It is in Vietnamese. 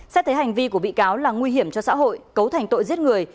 xét thấy hành vi của bị cáo là nguy hiểm cho xã hội cấu thành tội giết người